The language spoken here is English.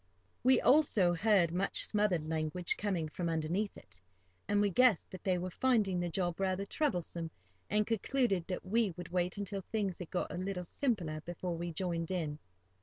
We also heard much smothered language coming from underneath it, and we guessed that they were finding the job rather troublesome, and concluded that we would wait until things had got a little simpler before we joined in.